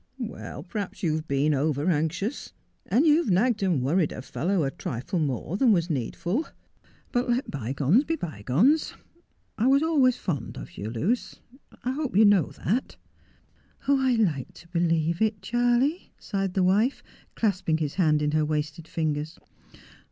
' Well, perhaps you've been over anxious, and you've nagged and worried a fellow a trifle more than was needful. But let bygones be bygones. I was always fond of you, Luce. I hope you know that 1 '' I like to believe it, Charley,' sighed the wife, clasping his hand in her wasted fingers.